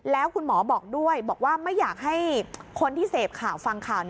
แล้วคุณหมอบอกด้วยบอกว่าไม่อยากให้คนที่เสพข่าวฟังข่าว